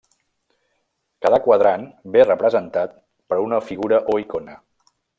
Cada quadrant ve representat per una figura o icona.